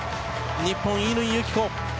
日本、乾友紀子